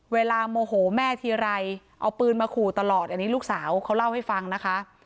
โมโหแม่ทีไรเอาปืนมาขู่ตลอดอันนี้ลูกสาวเขาเล่าให้ฟังนะคะ